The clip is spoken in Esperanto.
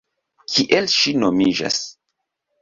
Kiel ŝi nomiĝas?